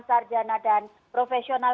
sarjana dan profesional